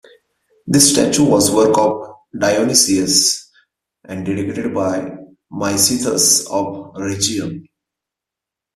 This statue was a work of Dionysius, and dedicated by Micythus of Rhegium.